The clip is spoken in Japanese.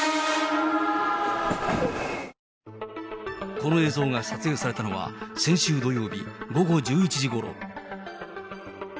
この映像が撮影されたのは、先週土曜日午後１１時ごろ。